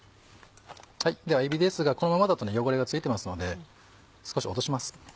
ではえびですがこのままだと汚れが付いてますので少し落とします。